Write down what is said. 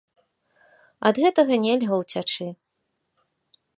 Ад гэтага нельга ўцячы.